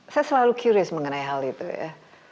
saya selalu curis mengenai hal itu ya